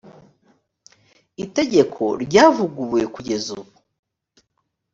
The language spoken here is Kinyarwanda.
itegeko ryavuguruwe kugeza ubu